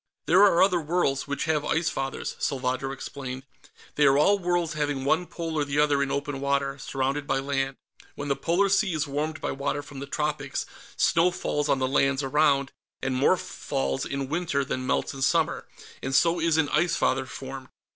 "There are other worlds which have Ice Fathers," Salvadro explained. "They are all worlds having one pole or the other in open water, surrounded by land. When the polar sea is warmed by water from the tropics, snow falls on the lands around, and more falls in winter than melts in summer, and so is an Ice Father formed.